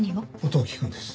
音を聞くんです。